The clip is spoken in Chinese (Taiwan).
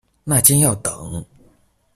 那間要等